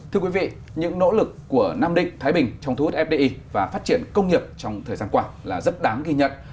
thưa quý vị những nỗ lực của nam định thái bình trong thu hút fdi và phát triển công nghiệp trong thời gian qua là rất đáng ghi nhận